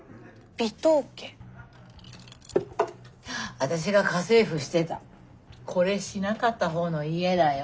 私が家政婦してたこれしなかったほうの家だよ。